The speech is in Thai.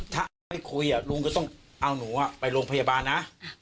ถ้าไม่คุยลุงก็ต้องเอาหนูไปโรงพยาบาลนะ